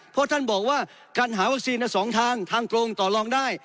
เพราะท่านบอกว่าการหาวัคซีนจะเสริมใน๒ทั้งทางทางกรงเนาะต่อลองได้